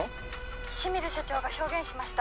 清水社長が証言しました。